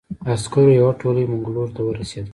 عسکرو یوه تولۍ منګلور ته ورسېده.